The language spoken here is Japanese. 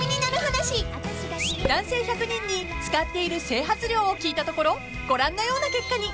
［男性１００人に使っている整髪料を聞いたところご覧のような結果に。